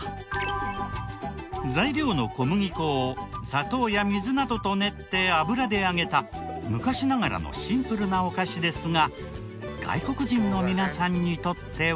材料の小麦粉を砂糖や水などと練って油で揚げた昔ながらのシンプルなお菓子ですが外国人の皆さんにとっては。